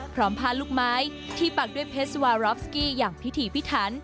พร้อมผ้าลูกไม้ที่ปักด้วยเพชรวารอฟสกี้อย่างพิถีพิถัน